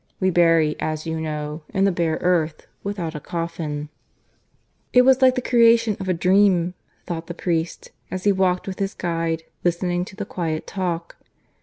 We bury, as you know, in the bare earth without a coffin." It was like the creation of a dream, thought the priest as he walked with his guide, listening to the quiet talk.